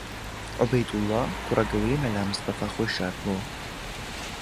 عوبەیدوڵڵا، کوڕە گەورەی مەلا مستەفا خۆی شاردبۆوە